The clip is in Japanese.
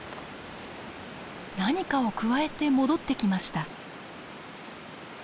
何かをくわえて戻ってきました。